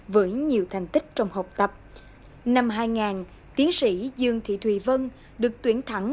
với nhiều thành tích trong học tập năm hai nghìn tiến sĩ dương thị thùy vân được tuyển thẳng